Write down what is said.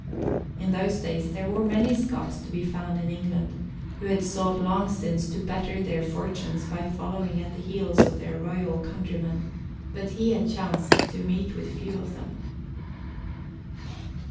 In those days there were many Scots to be found in England, who had sought long since to better their fortunes by following at the heels of their royal countryman; but he had chanced to meet with few of them.